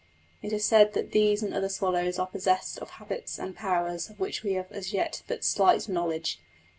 It is said that these and other swallows are possessed of habits and powers of which we have as yet but slight knowledge.